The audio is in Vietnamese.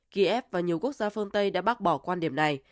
kiev và nhiều quốc gia phương tây đã bác bỏ quan điểm này